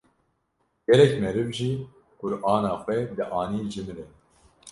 Gelek meriv jî Qu’rana xwe dianîn ji min re.